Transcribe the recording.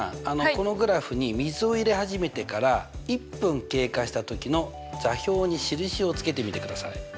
このグラフに水を入れ始めてから１分経過した時の座標に印をつけてみてください。